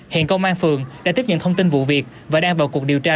hiện công an phường đã tiếp nhận thông tin vụ việc và đang vào cuộc điều tra